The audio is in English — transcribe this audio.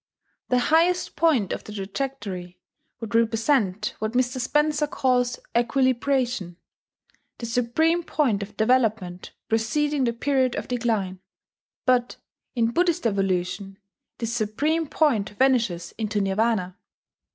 The highest point of the trajectory would represent what Mr. Spencer calls Equilibration, the supreme point of development preceding the period of decline; but, in Buddhist evolution, this supreme point vanishes into Nirvana.